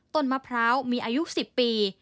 มะพร้าวมีอายุ๑๐ปี